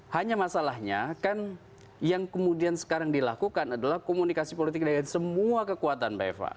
hanya masalahnya kan yang kemudian sekarang dilakukan adalah komunikasi politik dengan semua kekuatan mbak eva